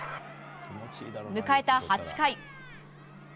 迎えた８回。